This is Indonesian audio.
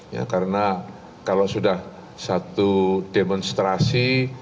ya karena kalau sudah satu demonstrasi